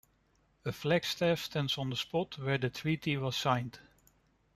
A flagstaff stands on the spot where the Treaty was signed.